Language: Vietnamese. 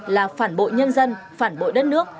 là phản bội nhân dân phản bội đất nước